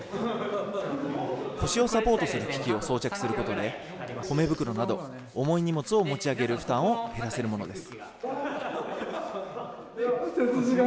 腰をサポートする機器を装着することで、米袋など、重い荷物を持ち上げる負担を減らせるものです。